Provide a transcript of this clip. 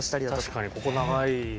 確かにここ長い。